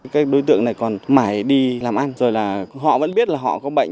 các đối tượng này còn mãi đi làm ăn rồi là họ vẫn biết là họ có bệnh